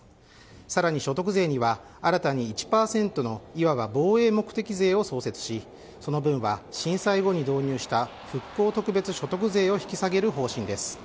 更に所得税には新たに１％のいわば防衛目的税を創設しその分は震災後に導入した復興特別所得税を引き下げる方針です。